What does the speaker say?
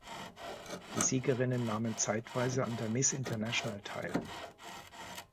Die Siegerinnen nahmen zeitweise an der Miss International teil.